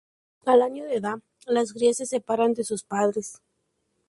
Al año de edad las crías se separan de sus padres.